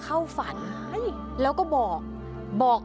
พี่ฝนธนสุดนอน